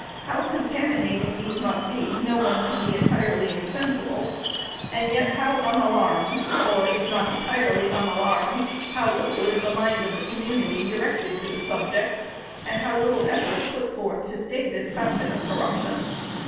How contaminating these must be, no one can be entirely insensible. And yet how unalarmed, or, if not entirely unalarmed, how little is the mind of the community directed to the subject, and how little effort put forth to stay this fountain of corrup tion